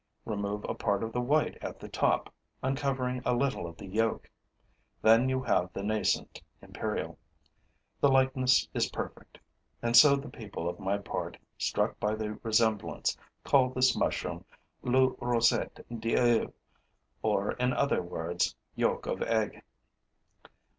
Remove a part of the white at the top, uncovering a little of the yolk. Then you have the nascent imperial. The likeness is perfect. And so the people of my part, struck by the resemblance, call this mushroom lou rousset d'iou, or, in other words, yolk of egg.